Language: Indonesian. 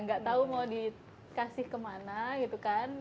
gak tau mau dikasih kemana gitu kan